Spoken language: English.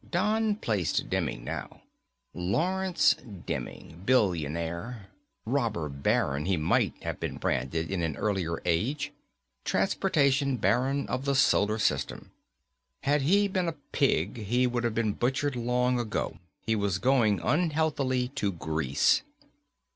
Don placed Demming now. Lawrence Demming, billionaire. Robber baron, he might have been branded in an earlier age. Transportation baron of the solar system. Had he been a pig he would have been butchered long ago; he was going unhealthily to grease.